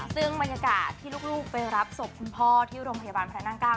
ซึ่งบรรยากาศที่ลูกไปรับศพคุณพ่อที่โรงพยาบาลพระนั่งเก้า